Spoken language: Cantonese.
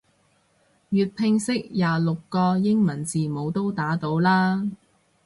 粵拼識廿六個英文字母都打到啦